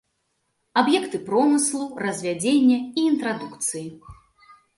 Аб'екты промыслу, развядзення і інтрадукцыі.